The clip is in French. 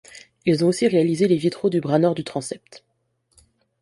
Ils ont aussi réalisé les vitraux du bras nord du transept.